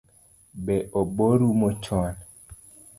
Be obo rumo chon?